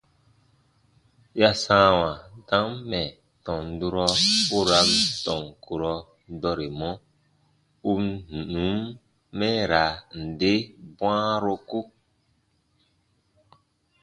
Ya sãawa dam mɛ̀ tɔn durɔ u ra n tɔn kurɔ dɔremɔ, u n nùn mɛɛraa nde bwãaroku.